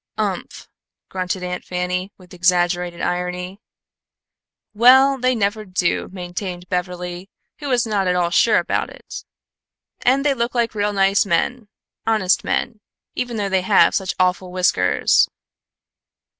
"Umph!" grunted Aunt Fanny, with exaggerated irony. "Well, they never do!" maintained Beverly, who was not at all sure about it. "And they look like real nice men honest men, even though they have such awful whiskers."